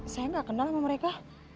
saya nggak kenal sama mereka